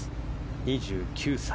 ２９歳。